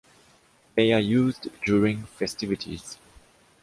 They are used during festivities.